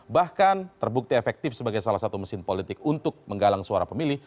bahkan terbukti efektif sebagai salah satu mesin politik untuk menggalang suara pemilih